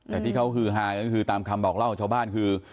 แต่ที่เขาฮือฮากันก็คือตามคำบอกเล่าของชาวบ้านคือ